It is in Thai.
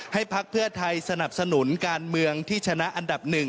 พักเพื่อไทยสนับสนุนการเมืองที่ชนะอันดับ๑